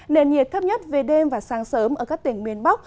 nền nhiệt thấp nhất về đêm và sáng sớm ở các tỉnh miền bắc